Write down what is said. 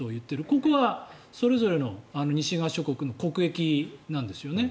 ここはそれぞれの西側諸国の国益なんですよね。